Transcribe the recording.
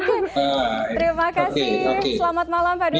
oke terima kasih selamat malam pak dubes